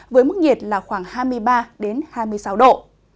với mức nhiệt là khoảng hai mươi ba hai mươi sáu độ